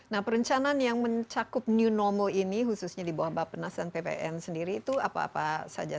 nah perencanaan yang mencakup new normal ini khususnya di bawah bapak nas dan ppn sendiri itu apa apa saja